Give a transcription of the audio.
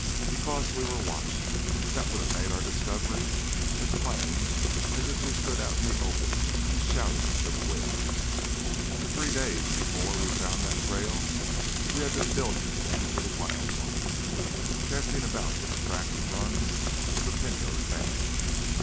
"Because, were we watched, that would have made our discovery as plain as if we stood out in the open and shouted it to the winds. For three days before we found that trail we had been building a pen for wild ones, casting about for the tracks and runs of the Pinto's band.